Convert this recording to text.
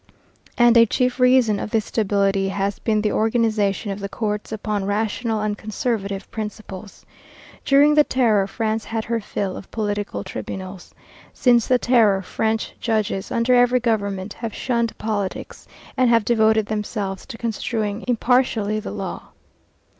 And a chief reason of this stability has been the organization of the courts upon rational and conservative principles. During the Terror France had her fill of political tribunals. Since the Terror French judges, under every government, have shunned politics and have devoted themselves to construing impartially the Code.